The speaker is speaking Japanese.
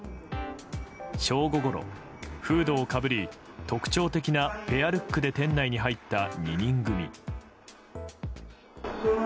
正午ごろ、フードをかぶり特徴的なペアルックで店内に入った２人組。